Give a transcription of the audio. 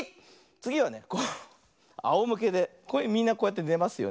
つぎはねあおむけでみんなこうやってねますよね。